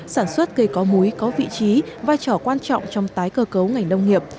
sản xuất cây có múi có vị trí vai trò quan trọng trong tái cơ cấu ngành nông nghiệp